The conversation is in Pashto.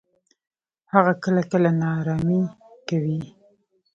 هغه کله کله ناړامي کوي.